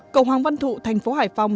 cầu hoàng văn thụ thành phố hải phòng